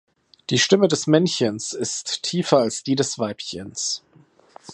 Die Stimme des Männchens ist tiefer als die des Weibchens.